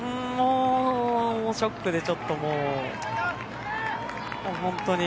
ショックでちょっともう本当に。